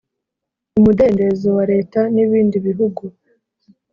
umudendezo wa leta n ibindi bihugu